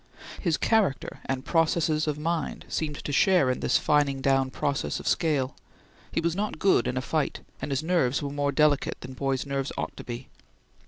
His character and processes of mind seemed to share in this fining down process of scale. He was not good in a fight, and his nerves were more delicate than boys' nerves ought to be.